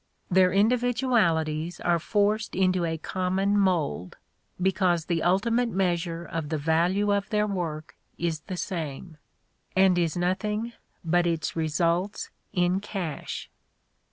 Their individualities are forced into a common mold, be cause the ultimate measure of the value of their work is the same, and is nothing but its results in cash."